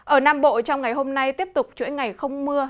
ở nam bộ trong ngày hôm nay tiếp tục chuỗi ngày không mưa